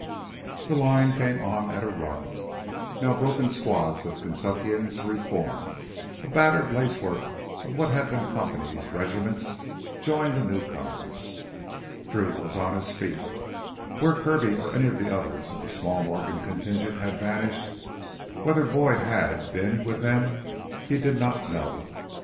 The line came on at a run. Now broken squads of Kentuckians re formed; a battered lacework of what had been companies, regiments, joined the newcomers. Drew was on his feet. Where Kirby or any others of the small Morgan contingent had vanished whether Boyd had been with them he did not know.